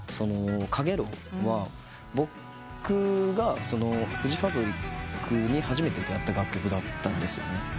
『陽炎』は僕がフジファブリックに初めて出会った楽曲だったんです。